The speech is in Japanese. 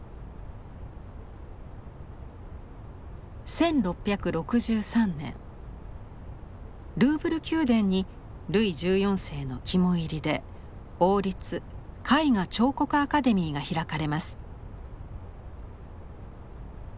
１６６３年ルーブル宮殿にルイ１４世の肝煎りで王立絵画彫刻アカデミーが開かれます。